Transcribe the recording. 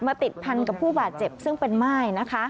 มาติดพันธุ์กับผู้บาดเจ็บซึ่งเป็นไม้นะคะ